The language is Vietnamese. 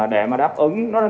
để mà đáp ứng